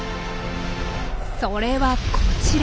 それはこちら。